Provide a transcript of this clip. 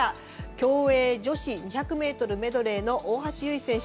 競泳女子２００ｍメドレーの大橋悠依選手。